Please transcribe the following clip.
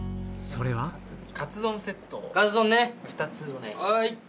それは２つお願いします。